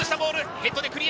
ヘッドでクリア。